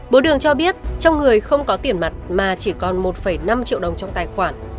bố đường cho biết trong người không có tiền mặt mà chỉ còn một năm triệu đồng trong tài khoản